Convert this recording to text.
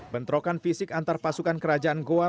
bentrokan fisik antar pasukan kerajaan goa